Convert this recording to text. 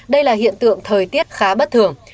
đây là hiện tượng thời tiết khá bất thường